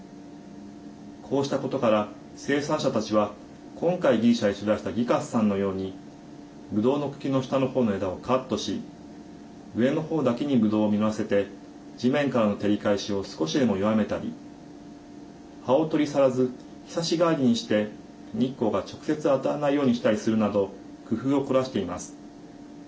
こうしたことから生産者たちは今回ギリシャで取材したギカスさんのようにブドウの茎の下の方の枝をカットし上の方だけにブドウを実らせて地面からの照り返しを少しでも弱めたり葉を取り去らずひさし代わりにして日光が直接当たらないようにしたりするなど工夫を凝らしています。